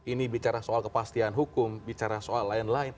ini bicara soal kepastian hukum bicara soal lain lain